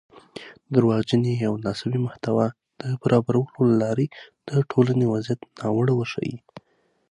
دروغجنې او ناسمې محتوا د برابرولو له لارې د ټولنۍ وضعیت ناوړه وښيي